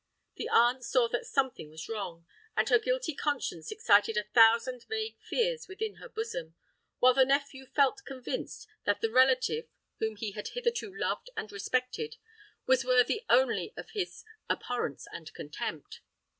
The aunt saw that something was wrong; and her guilty conscience excited a thousand vague fears within her bosom; while the nephew felt convinced that the relative, whom he had hitherto loved and respected, was worthy only of his abhorrence and contempt.